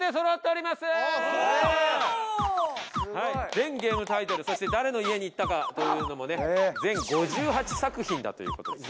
全ゲームタイトルそして誰の家に行ったかというのもね全５８作品だということです。